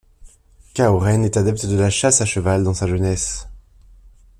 Cao Ren est adepte de la chasse à cheval dans sa jeunesse.